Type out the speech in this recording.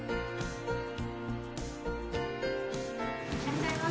いらっしゃいませ。